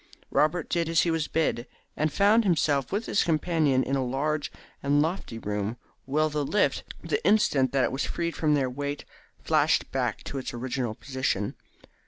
Robert did as he was bid, and found himself with his companion in a large and lofty room, while the lift, the instant that it was freed from their weight, flashed back to its original position.